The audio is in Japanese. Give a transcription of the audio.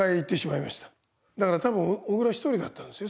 だから多分小倉一人だったんですね